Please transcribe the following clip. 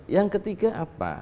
yang ketiga apa